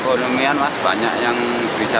warga semuanya ya resah